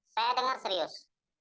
saya dengar serius